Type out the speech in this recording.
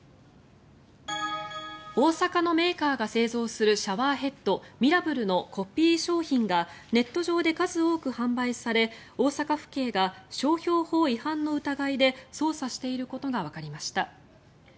大阪のメーカーが製造するシャワーヘッドミラブルのコピー商品がネット上で数多く販売され大阪府警が商標法違反の疑いで捜査していることがわかりました。